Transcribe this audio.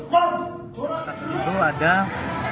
kita jalan untuk com